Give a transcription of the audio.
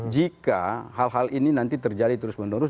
jika hal hal ini nanti terjadi terus menerus